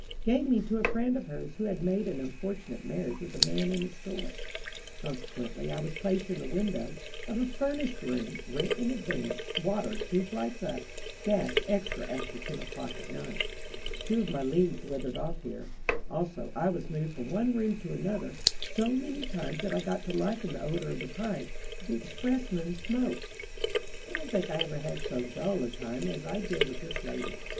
—gave me to a friend of hers who had made an unfortunate marriage with a man in a store. Consequently I was placed in the window of a furnished room, rent in advance, water two flights up, gas extra after ten o'clock at night. Two of my leaves withered off here. Also, I was moved from one room to another so many times that I got to liking the odor of the pipes the expressmen smoked. I don't think I ever had so dull a time as I did with this lady.